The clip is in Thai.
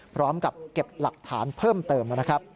พร้อมกับเก็บหลักฐานเพิ่มเติมนะครับ